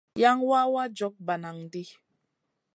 Yan wawa jog bananʼ ɗi.